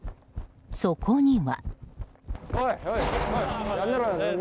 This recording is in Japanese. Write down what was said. そこには。